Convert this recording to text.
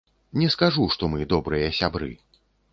Не скажу, што мы добрыя сябры.